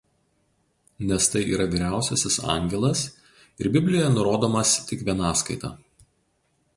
Nes tai yra vyriausiasis angelas ir Biblijoje nurodomas tik vienaskaita.